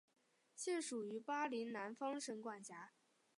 现属于巴林南方省管辖。